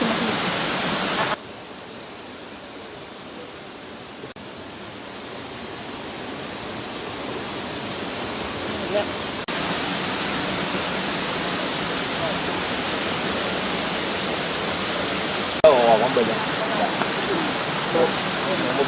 หลุดหลานมาลุก